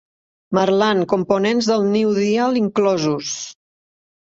Marland, components del New Deal inclosos.